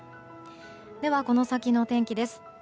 では、この先の天気です。